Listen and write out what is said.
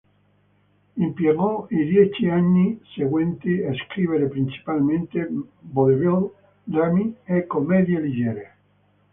Impiegò i dieci anni seguenti a scrivere principalmente vaudeville, drammi e commedie leggere.